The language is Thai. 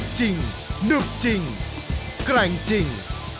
ขับจริงนึกจริงกแรงจริง